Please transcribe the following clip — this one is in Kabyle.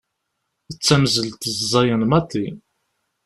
D tamzelt ẓẓayen maḍi.